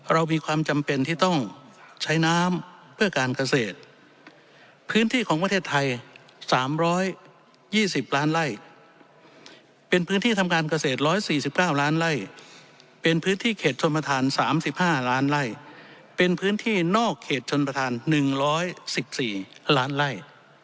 เรามีความจำเป็นที่ต้องใช้น้ำเพื่อการเกษตรพื้นที่ของประเทศไทย๓๒๐ล้านไล่เป็นพื้นที่ทำการเกษตร๑๔๙ล้านไล่เป็นพื้นที่เขตชนประธาน๓๕ล้านไล่เป็นพื้นที่นอกเขตชนประธาน๑๑๔ล้านไล่